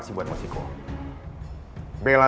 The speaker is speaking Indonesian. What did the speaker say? kau tak bisa mencoba